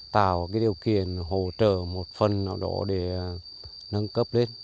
tạo điều kiện hỗ trợ một phần để nâng cấp lên